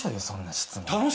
そんな質問。